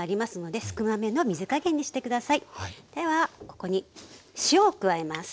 ではここに塩を加えます。